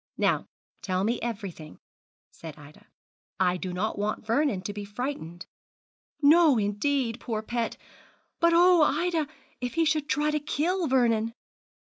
'Now tell me everything,' said Ida; 'I did not want Vernon to be frightened.' 'No, indeed, poor pet. But oh! Ida, if he should try to kill Vernon!'